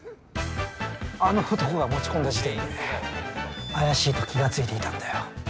あの男が持ち込んだ時点で怪しいと気がついていたんだよ。